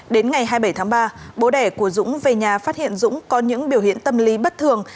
đến ngày hai mươi bảy tháng ba bố đẻ của dũng về nhà phát hiện dũng có những biểu hiện tâm lý bất thường